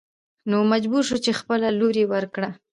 نو مجبور شو خپله لور يې ور کړه.